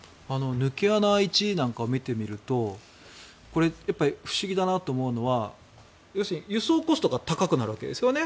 抜け穴１なんかを見てみると不思議だなって思うのは輸送コストが高くなるわけですよね。